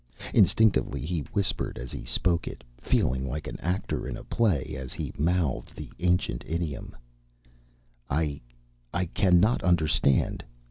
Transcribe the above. Instinctively he whispered as he spoke it, feeling like an actor in a play as he mouthed the ancient idiom, "I I cannot understand.